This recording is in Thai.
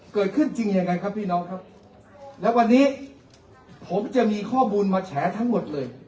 เกิดขึ้นจริงยังไงครับพี่น้องครับแล้ววันนี้ผมจะมีข้อมูลมาแฉทั้งหมดเลย